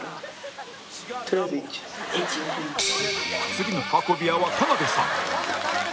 次の運び屋は田辺さん